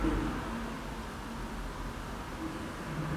En la actual legislatura es Morales del Vino.